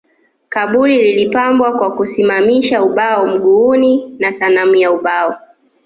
Kaburi lilipambwa kwa kusimamisha ubao mguuni na sanamu ya ubao